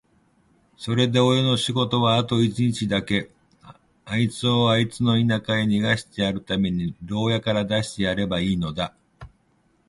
それでおれの仕事はあと一日だけ、あいつをあいつの田舎へ逃してやるために牢屋から出してやればいいのだ。